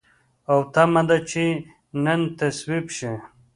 او تمه ده چې نن تصویب شي.